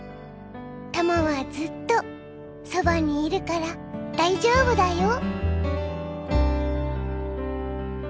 たまはずっとそばにいるから大丈夫だよ。